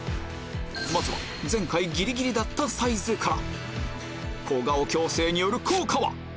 まずは前回ギリギリだったサイズから小顔矯正による効果は？